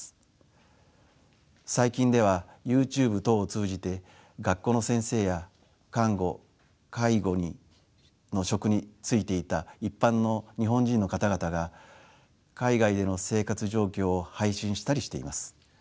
最近ではＹｏｕＴｕｂｅ等を通じて学校の先生や看護介護の職に就いていた一般の日本人の方々が海外での生活状況を配信したりしています。